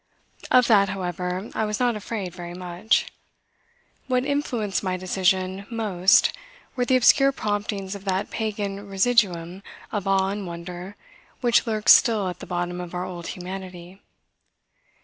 Of that, however, I was not afraid very much. What influenced my decision most were the obscure promptings of that pagan residuum of awe and wonder which lurks still at the bottom of our old humanity.